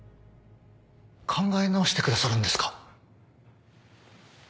考え直してくださるんですか？